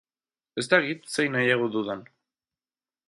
Ez dakit zein nahiago dudan.